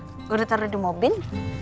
gue udah taruh di mobil